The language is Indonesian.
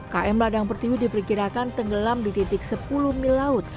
km ladang pertiwi diperkirakan tenggelam di titik sepuluh mil laut